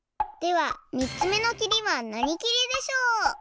では３つめのキリはなにキリでしょう？